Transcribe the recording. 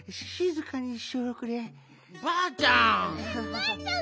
ばあちゃん。